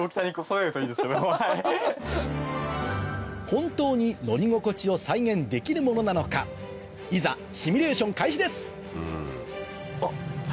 本当に乗り心地を再現できるものなのかいざシミュレーション開始ですあっ！